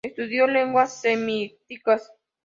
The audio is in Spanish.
Estudió lenguas semíticas.